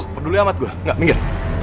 peduli amat gua nggak minggir